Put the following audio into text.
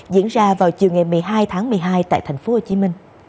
diễn ra vào chiều ngày một mươi hai tháng một mươi hai tại tp hcm